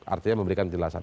artinya memberikan jelasan